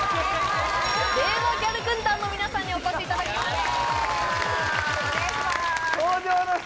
令和ギャル軍団の皆さんにお越しいただきました